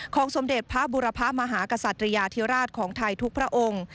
สมเด็จพระบุรพมหากษัตริยาธิราชของไทยทุกพระองค์